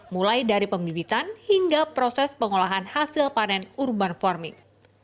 mulai dari pembibitan hingga proses pengolahan hasil panen urban farming